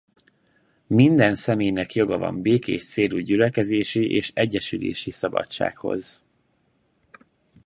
Minden személynek joga van békés célú gyülekezési és egyesülési szabadsághoz.